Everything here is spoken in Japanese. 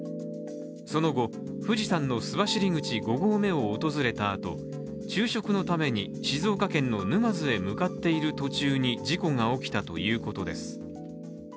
その後、富士山の須走五合目を訪れたあと、昼食のために静岡県の沼津へ向かっている途中に事故が起きたということです。